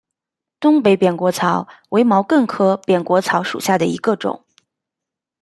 东北扁果草为毛茛科扁果草属下的一个种。